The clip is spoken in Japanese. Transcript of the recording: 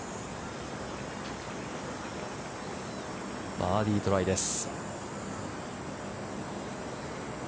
バーディートライです。